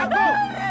anak kamu ini pak